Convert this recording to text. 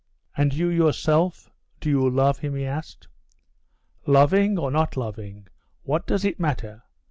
"And you yourself, do you love him?" he asked. "Loving or not loving, what does it matter?